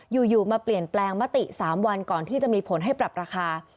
อยู่มาเปลี่ยนแปลงมติ๓วันก่อนที่จะมีผลให้ปรับราคา